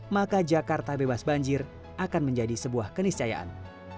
maka jakarta bebas banjir akan menjadi sebuah keniscayaan